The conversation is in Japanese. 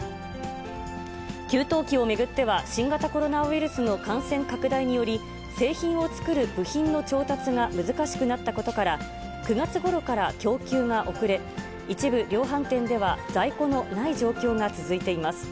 給湯器を巡っては、新型コロナウイルスの感染拡大により、製品を作る部品の調達が難しくなったことから、９月ごろから供給が遅れ、一部量販店では在庫のない状況が続いています。